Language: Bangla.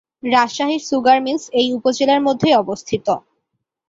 রাজশাহী সুগার মিলস এই উপজেলার মধ্যেই অবস্থিত।